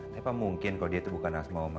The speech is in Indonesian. tapi apa mungkin kalau dia itu bukan asma oma